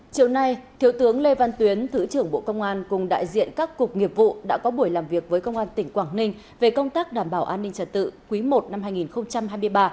chiều nay thiếu tướng lê văn tuyến thứ trưởng bộ công an cùng đại diện các cục nghiệp vụ đã có buổi làm việc với công an tỉnh quảng ninh về công tác đảm bảo an ninh trật tự quý i năm hai nghìn hai mươi ba